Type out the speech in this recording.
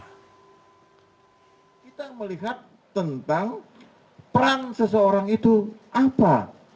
kita melihat tentang peran seseorang itu apa